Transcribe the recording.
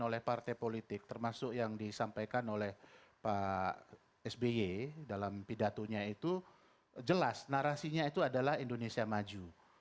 oleh partai politik termasuk yang disampaikan oleh pak sby dalam pidatonya itu jelas narasinya itu adalah indonesia maju